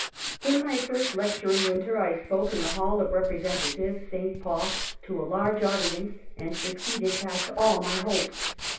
In my first lecturing winter I spoke in the Hall of Representatives, St. Paul, to a large audience, and suc ceeded past all my hopes.